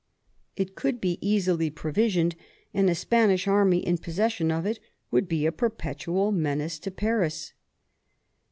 It could be easily pro visioned, and a Spanish army in possession of it would be a perpetual menace to Paris.